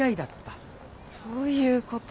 そういうこと。